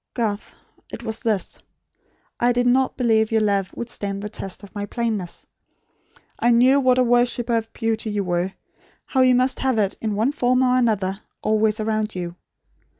Garth it was this. I did not believe your love would stand the test of my plainness. I knew what a worshipper of beauty you were; how you must have it, in one form or another, always around you.